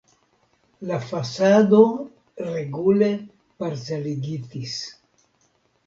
La fasado regule parceligitis.